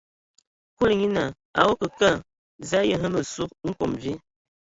Kúlu nye naa: A o akǝ kə, za a ayi hm ma sug nkom vi?